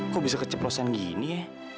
kok bisa keceplosan gini ya